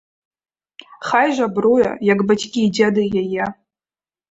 Хай жабруе, як бацькі і дзяды яе.